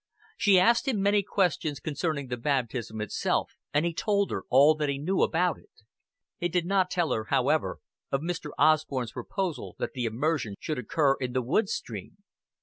She asked him many questions concerning the baptism itself, and he told her all that he knew about it. He did not tell her, however, of Mr. Osborn's proposal that the immersion should occur in the wood stream.